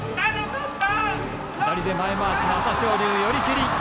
左で前まわしの朝青龍、寄り切り。